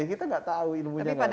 kita enggak tahu ilmunya enggak ada